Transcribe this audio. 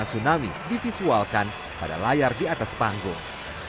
ketika dokumen bencana tsunami di visual kan pada layar di atas panggung